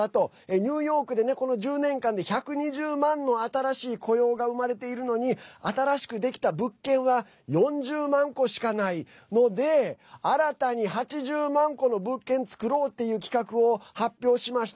ニューヨークで、この１０年間で１２０万の新しい雇用が生まれているのに新しくできた物件は４０万戸しかないので新たに、８０万戸の物件作ろうっていう企画を発表しました。